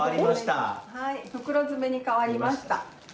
袋詰めに変わりました。